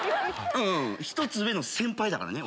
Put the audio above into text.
１つ上の先輩だからね俺。